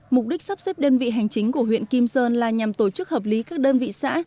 mục đích sắp xếp đơn vị hành chính của huyện kim sơn là nhằm tổ chức hợp lý các đơn vị xã